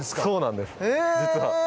そうなんです実は。